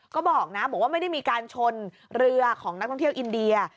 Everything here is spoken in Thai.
ก็บอกนะบอกว่าไม่ได้มีการชนเรือของนักท่องเที่ยวอินเดีย